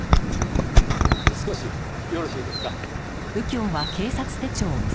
少しよろしいですか？